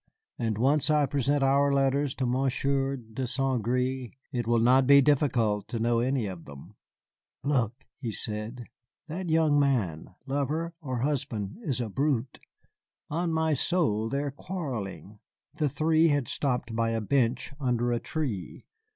And once I present our letters to Monsieur de Saint Gré, it will not be difficult to know any of them." "Look!" said he, "that young man, lover or husband, is a brute. On my soul, they are quarrelling." The three had stopped by a bench under a tree.